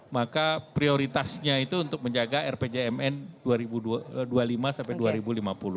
maka prioritasnya itu untuk menjaga rpjmn dua ribu dua puluh lima sampai dua ribu lima puluh